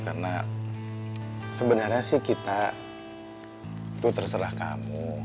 karena sebenarnya sih kita tuh terserah kamu